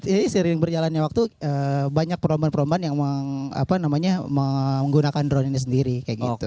jadi seiring berjalannya waktu banyak perlombaan perlombaan yang menggunakan drone ini sendiri kayak gitu